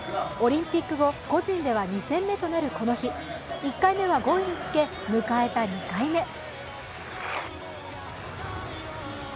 オリンピック後個人では２戦目となるこの日、１回目は５位につけ、迎えた２回目。